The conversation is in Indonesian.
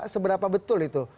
seberapa betul itu